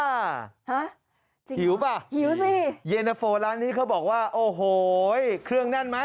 หาจริงหรือหิวสิเยนเตอร์โฟร้านนี้เขาบอกว่าโอ้โหเครื่องแน่นไหม